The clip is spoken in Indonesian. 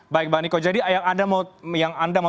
baik bang niko jadi yang anda mau